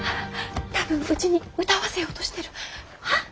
多分うちに歌わせようとしてる。はっ？